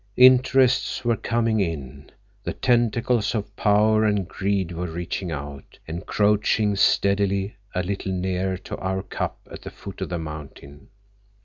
"Interests were coming in; the tentacles of power and greed were reaching out, encroaching steadily a little nearer to our cup at the foot of the mountain.